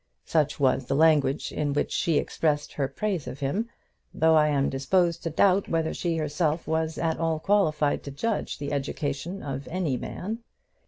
Such was the language in which she expressed her praise of him, though I am disposed to doubt whether she herself was at all qualified to judge of the education of any man.